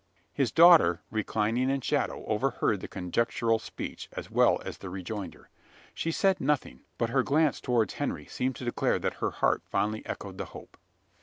His daughter, reclining in shadow, overheard the conjectural speech, as well as the rejoinder. She said nothing; but her glance towards Henry seemed to declare that her heart fondly echoed the hope.